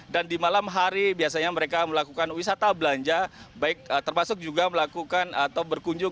dan di malam hari biasanya mereka melakukan wisata belanja terpasuk juga melakukan atau berkunjung